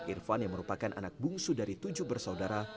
irfan yang merupakan anak bungsu dari tujuh bersaudara